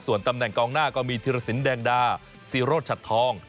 ส่วนตำแหน่งกองหน้าก็มีธิรสินแดงดาซีโรชัดทอง